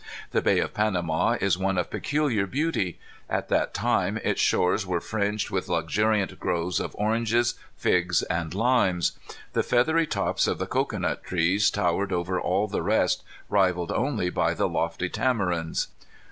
The Bay of Panama is one of peculiar beauty. At that time its shores were fringed with luxuriant groves of oranges, figs, and limes. The feathery tops of the cocoanut trees towered over all the rest, rivalled only by the lofty tamarinds.